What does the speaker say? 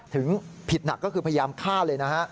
ถึงผิดหนักก็คือพยายามฆ่าเลยนะฮะ